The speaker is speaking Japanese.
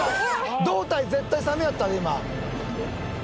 胴体絶対サメやったで今。